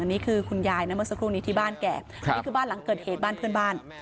นี่คือคุณยายนะเมื่อสักครู่นี้ที่บ้านแก่อันนี้คือบ้านหลังเกิดเหตุบ้านเพื่อนบ้าน